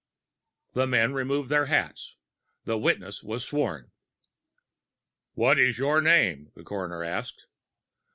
The men removed their hats. The witness was sworn. "What is your name?" the coroner asked.